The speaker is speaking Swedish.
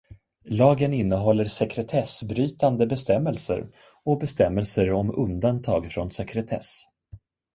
Lagen innehåller sekretessbrytande bestämmelser och bestämmelser om undantag från sekretess.